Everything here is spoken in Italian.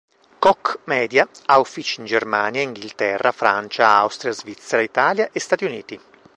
Koch Media ha uffici in Germania, Inghilterra, Francia, Austria, Svizzera, Italia e Stati Uniti.